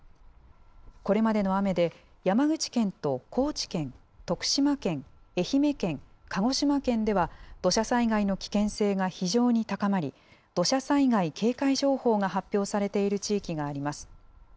これまでの雨で山口県と高知県、徳島県、愛媛県、鹿児島県では、土砂災害の危険性が非常に高まり、土砂災害警戒情報が発表されている地域があります。